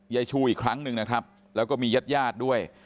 ยายชูอีกครั้งหนึ่งนะครับแล้วก็มีญาติญาติด้วย